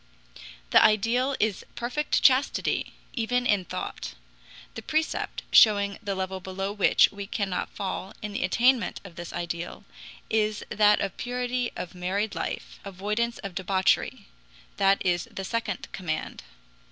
The ideal is perfect chastity, even in thought. The precept, showing the level below which we cannot fall in the attainment of this ideal, is that of purity of married life, avoidance of debauchery. That is the second command.